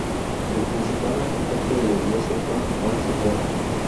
El principal arquitecto de la iglesia fue Juan Zepeda.